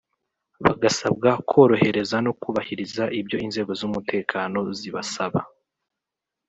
bagasabwa korohereza no kubahiriza ibyo inzego z’umutekano zibasaba